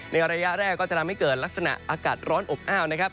ระยะแรกก็จะทำให้เกิดลักษณะอากาศร้อนอบอ้าวนะครับ